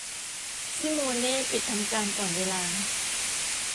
ซิโมเน่ปิดทำการก่อนเวลา